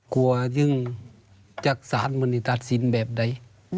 กลัวอย่างในการศาจมนตรศีลแบบไหน